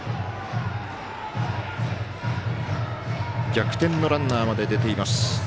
逆転のランナーまで出ています。